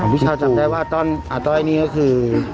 พี่เช้าจำได้ว่าอาต้อยนี่ก็คือ